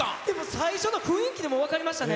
最初の雰囲気でもう分かりましたね。